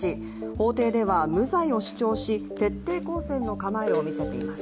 法廷では無罪を主張し徹底抗戦の構えを見せています。